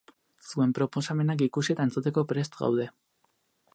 Zuen proposamenak ikusi eta entzuteko prest gaude.